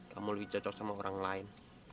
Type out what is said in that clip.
kamu lebih cocok sama orang lain